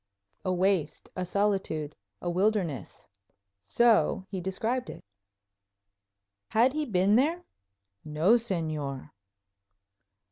"A waste; a solitude; a wilderness." So he described it. Had he been there? "No, Señor."